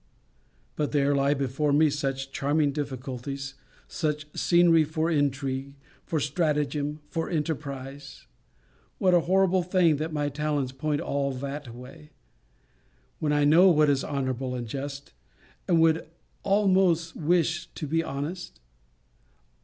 But there lie before me such charming difficulties, such scenery for intrigue, for stratagem, for enterprize. What a horrible thing, that my talents point all that way! When I know what is honourable and just; and would almost wish to be honest?